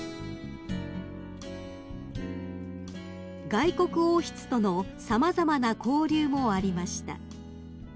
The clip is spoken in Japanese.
［外国王室との様々な交流もありました］